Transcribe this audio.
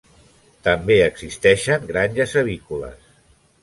També existeixen granges avícoles.